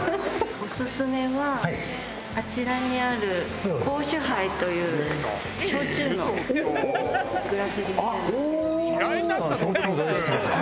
オススメはあちらにある香酒盃という焼酎のグラスです。